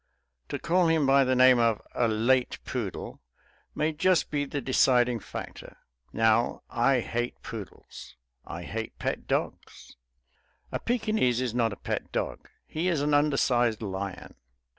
To call him by the name of a late poodle may just be the deciding factor. Now I hate poodles; I hate pet dogs. A Pekinese is not a pet dog; he is an undersized lion.